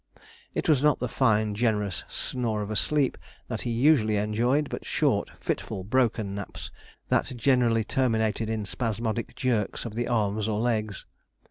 It was not the fine generous snore of a sleep that he usually enjoyed, but short, fitful, broken naps, that generally terminated in spasmodic jerks of the arms or legs.